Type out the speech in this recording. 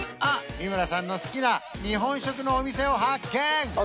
三村さんの好きな日本食のお店を発見！